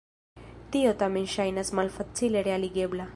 Tio tamen ŝajnas malfacile realigebla.